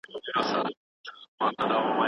که پر ځان باور نه لرئ نو د لرلو وانمود وکړئ.